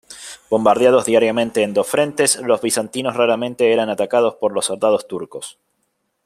Bombardeados diariamente en dos frentes, los bizantinos raramente eran atacados por los soldados turcos.